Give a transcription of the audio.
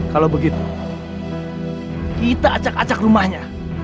kalau begitu kita acak acak rumahnya